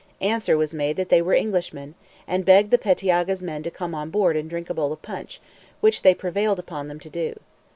Answer was made that they were Englishmen, and begged the pettiaga's men to come on board and drink a bowl of punch, which they prevailed upon them to do.